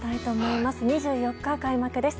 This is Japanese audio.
２４日開幕です。